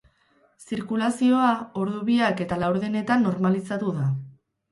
Zirkulazioa ordu biak eta laurdenetan normalizatu da.